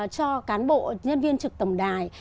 cho cán bộ nhân viên trực tổng đài